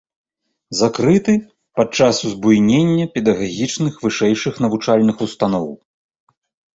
Закрыты падчас узбуйнення педагагічных вышэйшых навучальных устаноў.